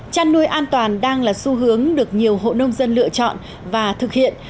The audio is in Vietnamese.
chăn nuôi an toàn đang là xu hướng được nhiều hộ nông dân lựa chọn và thực hiện